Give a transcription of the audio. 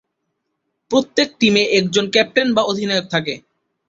প্রত্যেক টিমে একজন ক্যাপ্টেন বা অধিনায়ক থাকে।